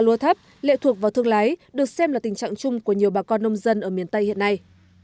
lúa thấp lệ thuộc vào thương lái được xem là tình trạng chung của nhiều bà con nông dân ở miền tây hiện nay